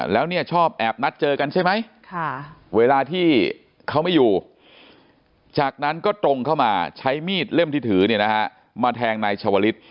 แล้วเนี่ยชอบแอบนัดเจอกันใช่ไหมเวลาที่เขาไม่อยู่จากนั้นก็ตรงเข้ามาใช้มีดเล่มที่ถือมาแทงนายชาวลิศ